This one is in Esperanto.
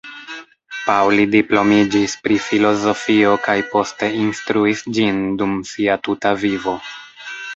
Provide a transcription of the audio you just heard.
Pauli diplomiĝis pri filozofio kaj poste instruis ĝin dum sia tuta vivo.